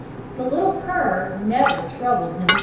The little cur never again troubled him.